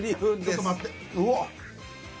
ちょっと待ってうわっ。